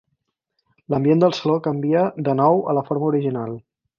L'ambient del saló canvia de nou a la forma original.